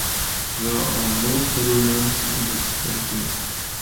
There are no settlements in its basin.